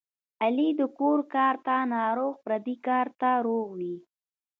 علي د کور کار ته ناروغ پردي کار ته روغ وي.